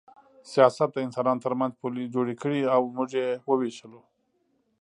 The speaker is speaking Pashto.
سیاست د انسانانو ترمنځ پولې جوړې کړې او موږ یې ووېشلو